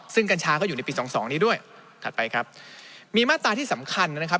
ซึ่งกัญชาก็อยู่ในปีสองสองนี้ด้วยถัดไปครับมีมาตราที่สำคัญนะครับ